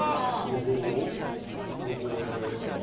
「ごぼう」をやられたら？